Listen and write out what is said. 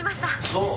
そう。